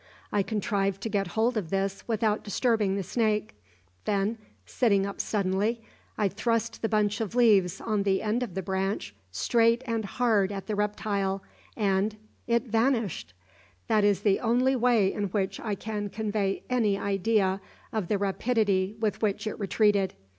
I contrived to get hold of this without disturbing the snake; then, sitting up suddenly, I thrust the bunch of leaves on the end of the branch straight and hard at the reptile, and it vanished! That is the only way in which I can convey any idea of the rapidity with which it retreated.